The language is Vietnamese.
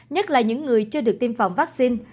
nhất là những người chưa được tiêm phòng vaccine